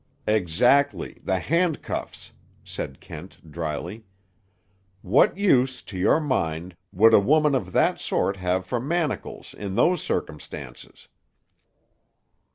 "Exactly; the handcuffs," said Kent dryly. "What use, to your mind, would a woman of that sort have for manacles, in those circumstances?"